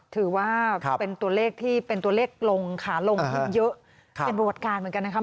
ถือว่าเป็นตัวเลขที่เป็นตัวเลขลงขาลงเยอะเป็นประวัติการเหมือนกันนะครับ